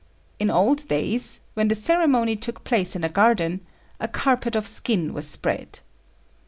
In old days, when the ceremony took place in a garden, a carpet of skin was spread.